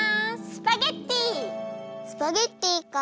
スパゲッティか。